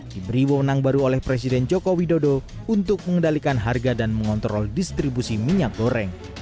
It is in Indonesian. diberi wawonan baru oleh presiden joko widodo untuk mengendalikan harga dan mengontrol distribusi minyak goreng